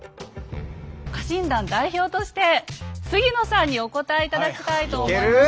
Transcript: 家臣団代表として杉野さんにお答え頂きたいと思います。